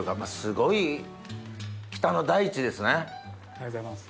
ありがとうございます。